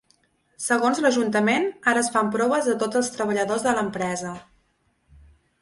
Segons l’ajuntament, ara es fan proves a tots els treballadors de l’empresa.